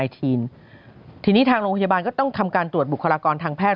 ทีนี้ทางโรงพยาบาลก็ต้องทำการตรวจบุคลากรทางแพท